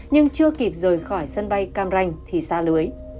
nhưng chưa kịp rời khỏi sân bay cam ranh thì xa lưới